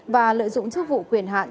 và lợi dụng chức vụ quyền hạn